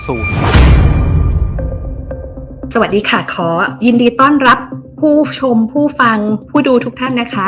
สวัสดีค่ะขอยินดีต้อนรับผู้ชมผู้ฟังผู้ดูทุกท่านนะคะ